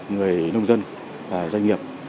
người nông dân và doanh nghiệp